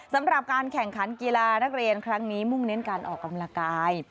สำหรับการแข่งขันกีฬานักเรียนครั้งนี้มุ่งเน้นการออกกำลังกาย